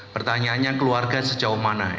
pertanyaannya keluarga sejauh mana